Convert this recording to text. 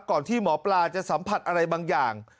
ที่หมอปลาจะสัมผัสอะไรบางอย่าง